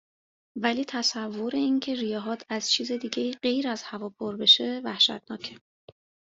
ولی تصور اینکه ریههات از چیز دیگهای غیر هوا پر بشه وحشتناکه.